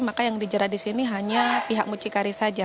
maka yang dijerat di sini hanya pihak mucikari saja